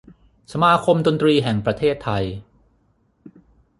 สมาคมดนตรีแห่งประเทศไทย